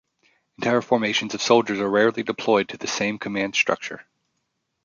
Entire formations of soldiers are rarely deployed to the same command structure.